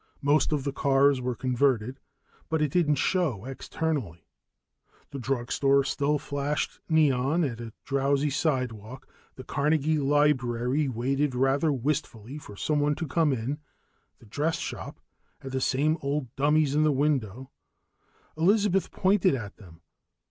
Most of the cars were converted, but it didn't show externally. The drug store still flashed neon at a drowsy sidewalk, the Carnegie library waited rather wistfully for someone to come in, the dress shop had the same old dummies in the window. Elizabeth pointed at them.